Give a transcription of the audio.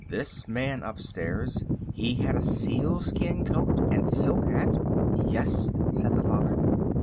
This man upstairs, he had a sealskin coat and silk hat?" "Yes," said the father.